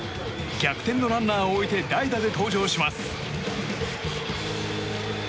逆転のランナーを置いて代打で登場します。